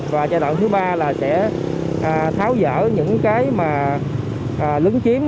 và giai đoạn thứ ba là sẽ tháo dỡ những cái lứng chiếm